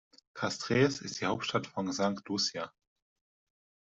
Castries ist die Hauptstadt von St. Lucia.